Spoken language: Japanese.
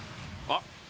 あっ。